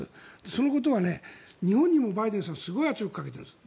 そのことは日本にもバイデンさんはすごい圧力をかけているんです。